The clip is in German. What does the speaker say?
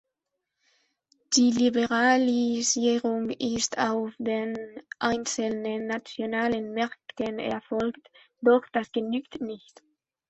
Die Liberalisierung ist auf den einzelnen nationalen Märkten erfolgt, doch das genügt nicht.